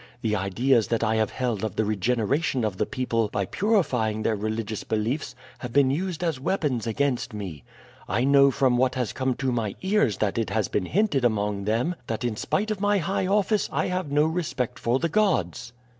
The ideas that I have held of the regeneration of the people by purifying their religious beliefs have been used as weapons against me. I know from what has come to my ears that it has been hinted among them that in spite of my high office I have no respect for the gods.